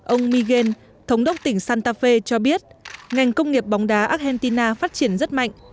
ông miguel thống đốc tỉnh santa fe cho biết ngành công nghiệp bóng đá argentina phát triển rất mạnh